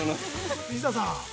水田さん。